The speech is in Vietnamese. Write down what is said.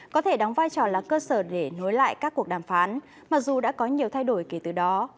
có thể đóng vai trò là cơ sở để nối lại các cuộc đàm phán mặc dù đã có nhiều thay đổi kể từ đó